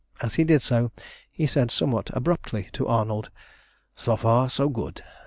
As he did so he said somewhat abruptly to Arnold "So far so good.